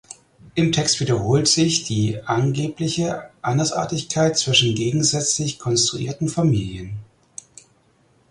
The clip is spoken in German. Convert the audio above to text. Im Text wiederholt sich die angebliche Andersartigkeit zwischen gegensätzlich konstruierten Familien.